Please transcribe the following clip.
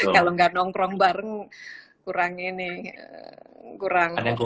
kalau tidak nongkrong bareng kurang ini kurang oke gitu